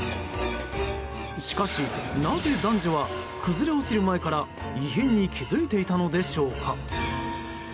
しかし、なぜ男女は崩れ落ちる前から異変に気付いていたのでしょうか？